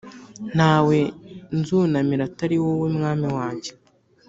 nta we nzunamira atari wowe, mwami wanjye,